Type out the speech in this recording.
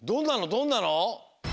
どんなの？